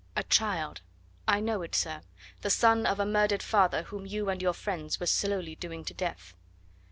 "A child. I know it, sir the son of a murdered father whom you and your friends were slowly doing to death."